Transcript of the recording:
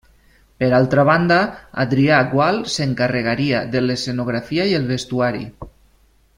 Per altra banda, Adrià Gual s'encarregaria de l'escenografia i el vestuari.